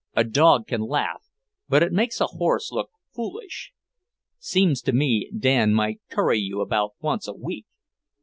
"A dog can laugh, but it makes a horse look foolish. Seems to me Dan might curry you about once a week!"